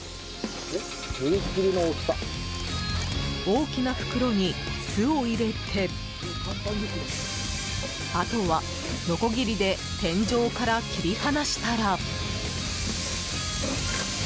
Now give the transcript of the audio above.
大きな袋に巣を入れてあとは、のこぎりで天井から切り離したら。